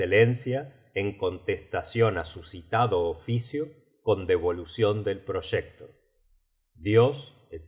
en contestacion a su citado oficio con devolucion del Proyecto. Dios etc.